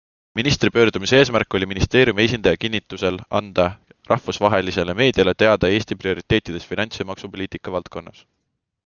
Ministri pöördumise eesmärk oli ministeeriumi esindaja kinntusel anda rahvusvahelisele meediale teada Eesti prioriteetidest finants- ja maksupoliitika valdkonnas.